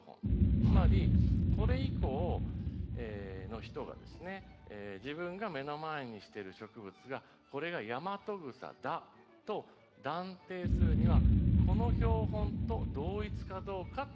つまりこれ以降の人がですね自分が目の前にしてる植物がこれがヤマトグサだと断定するにはこの標本と同一かどうかっていうことを見るっていうことなんです。